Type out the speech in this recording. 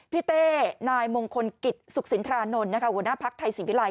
เต้นายมงคลกิจสุขสินทรานนท์หัวหน้าภักดิ์ไทยศิพิลัย